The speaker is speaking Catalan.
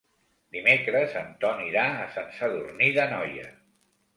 Dimecres en Ton irà a Sant Sadurní d'Anoia.